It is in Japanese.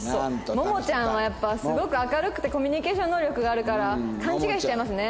ももちゃんはやっぱすごく明るくてコミュニケーション能力があるから勘違いしちゃいますね。